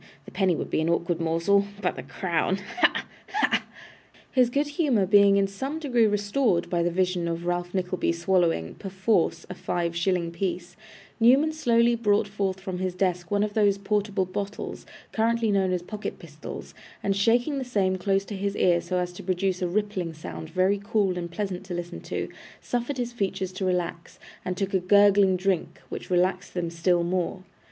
The penny would be an awkward morsel but the crown ha! ha!' His good humour being in some degree restored by the vision of Ralph Nickleby swallowing, perforce, a five shilling piece, Newman slowly brought forth from his desk one of those portable bottles, currently known as pocket pistols, and shaking the same close to his ear so as to produce a rippling sound very cool and pleasant to listen to, suffered his features to relax, and took a gurgling drink, which relaxed them still more.